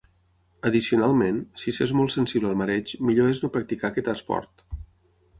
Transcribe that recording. Addicionalment, si s'és molt sensible al mareig, millor és no practicar aquest esport.